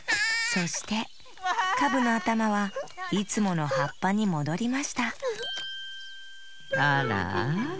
そしてカブのあたまはいつものはっぱにもどりましたあらあら。